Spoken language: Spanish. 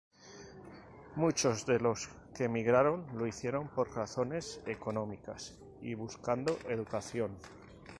Muchos de los que migraron lo hicieron por razones económicas y buscando educación.